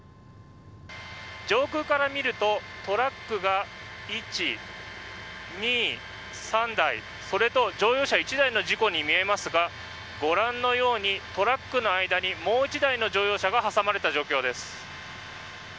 上空から見るとトラックが１、２、３台それと乗用車１台の事故に見えますがご覧のようにトラックの間にもう１台の乗用車が挟まれた状況です。